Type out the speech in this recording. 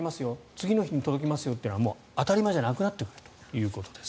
次の日に届きますよはもう当たり前じゃなくなってくるということです。